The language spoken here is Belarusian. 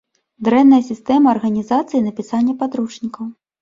Дрэнная сістэма арганізацыі напісання падручнікаў.